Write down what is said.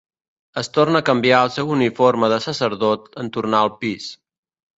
Es torna a canviar al seu uniforme de sacerdot en tornar al pis.